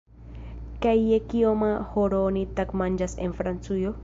Kaj je kioma horo oni tagmanĝas en Francujo?